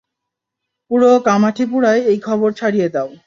পুরো কামাঠিপুরায় এই খবর ছড়িয়ে দাও।